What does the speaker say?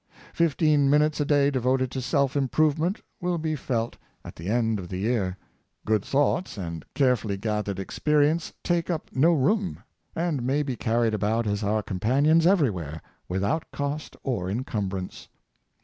Fif teen minutes a day devoted to self improvement, will be felt at the end of the year. Good thoughts and care fully gathered experience take up no room, and. may be carried about as our companions everywhere, without cost or incumbrance.